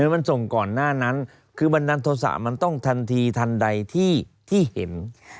มันส่งก่อนหน้านั้นคือบันดาลโทษะมันต้องทันทีทันใดที่เห็น